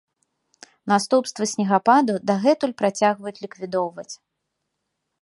Наступствы снегападу дагэтуль працягваюць ліквідоўваць.